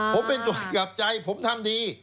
ผมเป็นโจทย์กับใจผมทำดี